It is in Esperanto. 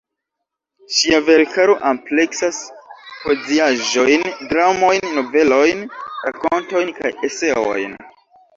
Ŝia verkaro ampleksas poeziaĵojn, dramojn, novelojn, rakontojn kaj eseojn.